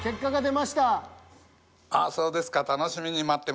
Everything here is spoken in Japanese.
ああそうですか。